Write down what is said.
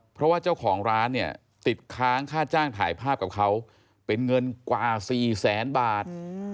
เพราะว่าเจ้าของร้านเนี่ยติดค้างค่าจ้างถ่ายภาพกับเขาเป็นเงินกว่า๔แสนบาท